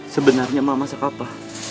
sebenarnya mak masak apa